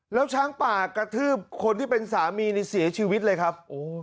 แล้วช้างป่ากระทืบคนที่เป็นสามีนี่เสียชีวิตเลยครับ